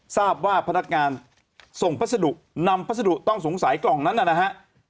ทราบว่าพนักงานส่งพัสดุนำพัสดุต้องสงสัยกล่องนั้นนะฮะ